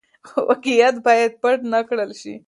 واقعيت بايد پټ نه کړل شي.